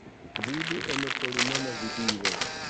Vidu en polinoma divido.